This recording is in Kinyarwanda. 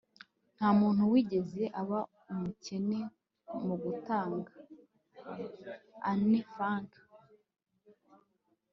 nta muntu wigeze aba umukene mu gutanga. - anne frank